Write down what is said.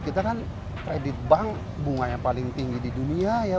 kita kan kredit bank bunga yang paling tinggi di dunia ya